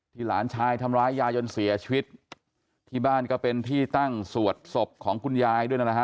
หลานชายทำร้ายยายจนเสียชีวิตที่บ้านก็เป็นที่ตั้งสวดศพของคุณยายด้วยนะฮะ